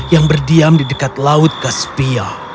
yang berdiam di dekat laut kaspia